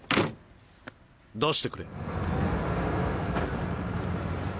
出してくれ。